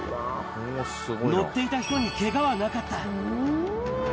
乗っていた人にけがはなかった。